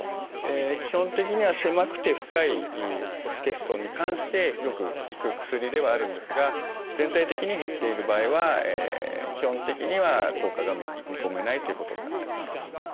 基本的には狭くて深い骨欠損に関してよく効く薬ではあるんですが全体的に減っている場合は基本的には効果が見込めないということになっております。